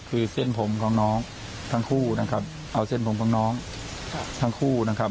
คือเส้นผมของน้องทั้งคู่นะครับเอาเส้นผมของน้องทั้งคู่นะครับ